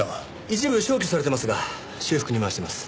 一部消去されてますが修復に回してます。